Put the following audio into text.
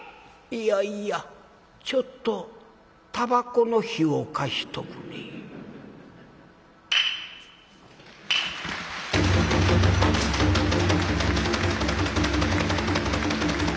「いやいやちょっとたばこの火を貸しとくれ」。